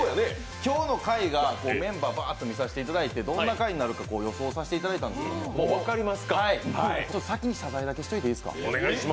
今日の回がメンバーバーッと見させていただいてどんな回になるか予想させていただいたんですけど、先に謝罪だけしておいていいですか。